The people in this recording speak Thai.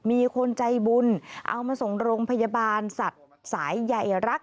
มีคนใจบุญเอามาส่งโรงพยาบาลสัตว์สายใหญ่รัก